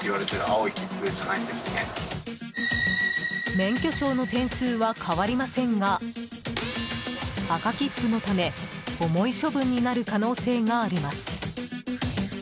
免許証の点数は変わりませんが赤切符のため重い処分になる可能性があります。